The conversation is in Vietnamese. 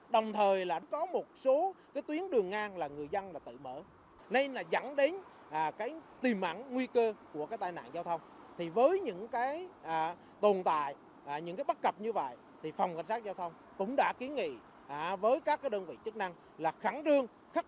đồng thời có một số tuyến đường ngang là người dân tự mở đây dẫn đến tuyến tìm ẩn nguy cơ